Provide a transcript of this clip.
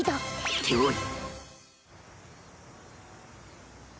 っておい！